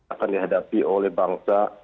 akan dihadapi oleh bangsa